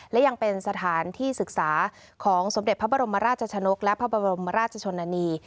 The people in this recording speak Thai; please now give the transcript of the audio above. และยังเป็นสถานที่ศึกษาของสมเด็จพระบรมราชชนกและพระบรมราชชนนานี